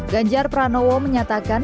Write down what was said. ganjar pranowo menyatakan